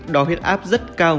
đo huyết áp rất cao